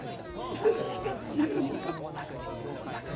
どうしたら言えるのか